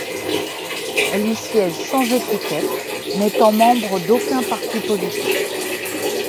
Elle y siège sans étiquette, n'étant membre d'aucun parti politique.